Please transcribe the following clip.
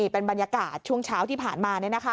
เป็นบรรยากาศช่วงเช้าที่ผ่านมา